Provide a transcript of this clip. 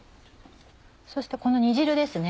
そしてこの煮汁ですね。